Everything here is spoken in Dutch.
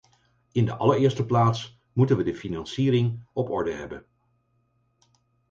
In de allereerste plaats moeten we de financiering op orde hebben.